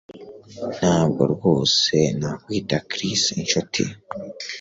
Ntabwo rwose nakwita Chris inshuti